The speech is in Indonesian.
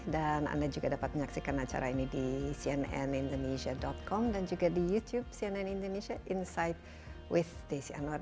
dan anda juga dapat menyaksikan acara ini di cnnindonesia com dan juga di youtube cnn indonesia insight with desi anwar